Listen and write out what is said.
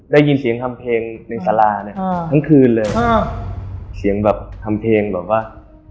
ได้ยินเสียงทำเพลงในสาราเนี่ยอ่าทั้งคืนเลยอ่าเสียงแบบทำเพลงแบบว่า